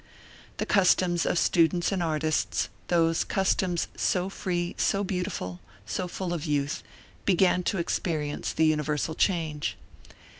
The customs of students and artists, those customs so free, so beautiful, so full of youth, began to experience the universal change.